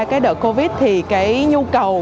cái đợt covid thì cái nhu cầu